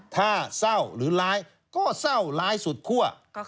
ถ้าเศร้าหรือร้ายก็เศร้าร้ายสุดคั่ว